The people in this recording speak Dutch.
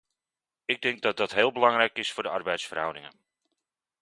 Ik denk dat dat heel belangrijk is voor de arbeidsverhoudingen.